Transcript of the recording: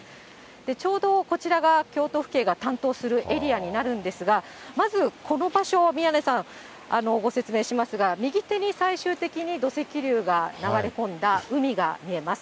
ちょうどこちらが京都府警が担当するエリアになるんですが、まずこの場所を宮根さん、ご説明しますが、右手に最終的に土石流が流れ込んだ海が見えます。